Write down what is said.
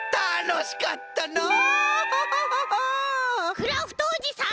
クラフトおじさん？